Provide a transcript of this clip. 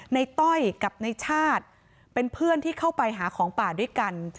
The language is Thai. ต้อยกับในชาติเป็นเพื่อนที่เข้าไปหาของป่าด้วยกัน